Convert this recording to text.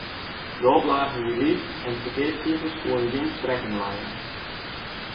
De oplage wie lyts en de ferkeapsifers koene gjin sprekken lije.